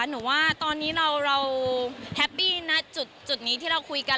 หนูว่าตอนนี้เราแฮปปี้นะจุดนี้ที่เราคุยกัน